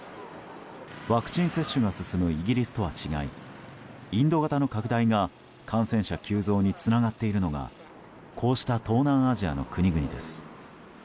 ワクチン接種が進むイギリスとは違いインド型の拡大が感染者急増につながっているのがこうした東南アジアの国々です。